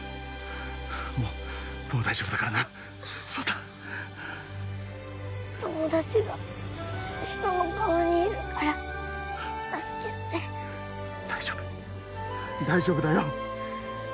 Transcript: もうもう大丈夫だからな壮太友達が下の川にいるから助けて大丈夫大丈夫だよ